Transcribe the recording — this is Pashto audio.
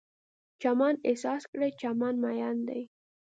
چمن احساس کړئ، چمن میین دی